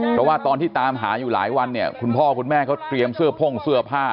เพราะว่าตอนที่ตามหาอยู่หลายวันเนี่ยคุณพ่อคุณแม่เขาเตรียมเสื้อพ่งเสื้อผ้า